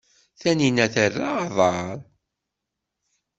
Taninna terra aḍar.